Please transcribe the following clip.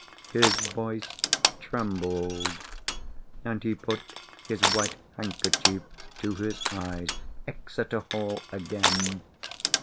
His voice trembled, and he put his white handkerchief to his eyes. Exeter Hall again!